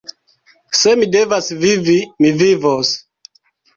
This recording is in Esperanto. Se mi devas vivi, mi vivos!